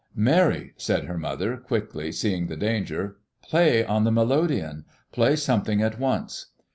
"Mary," said her mother quickly, seeing the danger, "play on the melodeon. Play something at once."